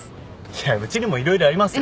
いやうちにも色々ありますよ